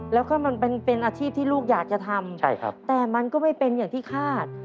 แล้วก็มันเป็นอาชีพที่ลูกอยากจะทำแต่มันก็ไม่เป็นอย่างที่คาด